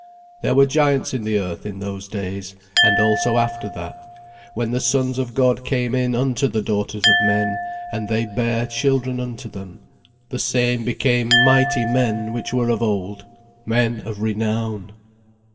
"There were giants in the earth in those days; and also after that, when the Sons of God came in unto the daughters of men, and they bare children unto them, the same became mighty men which were of old, men of renown."